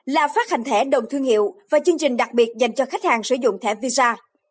là phát hành thẻ đồng thương hiệu và chương trình đặc biệt dành cho khách hàng sử dụng thẻ visa